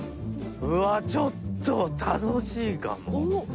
うわっちょっと楽しいかも。